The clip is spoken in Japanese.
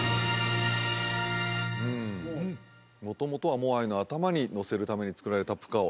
元々はモアイの頭にのせるためにつくられたプカオ